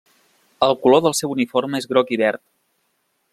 El color del seu uniforme és groc i verd.